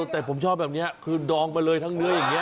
แต่ผมชอบแบบนี้คือดองมาเลยทั้งเนื้ออย่างนี้